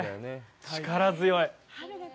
力強い。